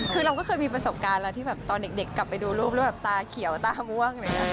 คือเราก็เคยมีประสบการณ์แล้วที่แบบตอนเด็กกลับไปดูรูปรูปแบบตาเขียวตาม่วง